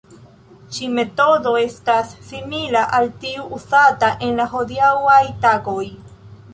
Ĉi-metodo estas simila al tiu uzata en la hodiaŭaj tagoj.